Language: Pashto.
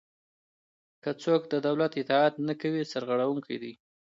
که څوک د دولت اطاعت نه کوي سرغړونکی دی.